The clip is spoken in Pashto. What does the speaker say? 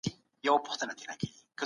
علم د بشريت د نجات لاره ده.